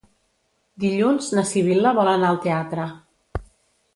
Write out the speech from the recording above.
Dilluns na Sibil·la vol anar al teatre.